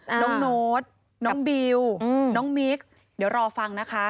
น้องโน้ตน้องบิวน้องมิกเดี๋ยวรอฟังนะคะ